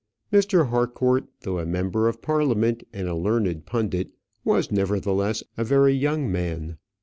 Mr. Harcourt, though a member of Parliament and a learned pundit, was nevertheless a very young man.